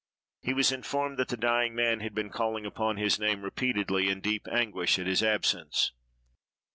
He was informed that the dying man had been calling upon his name repeatedly, in deep anguish at his absence.